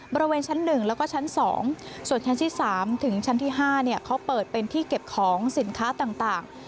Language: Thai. บริเวณชั้น๑แล้วก็ชั้น๒ส่วนชั้นที่๓ถึงชั้นที่๕เขาเปิดเป็นที่เก็บของสินค้าต่าง